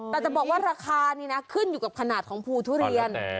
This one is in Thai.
แต่จะบอกว่าราคานี่นะขึ้นอยู่กับขนาดของภูทุเรียน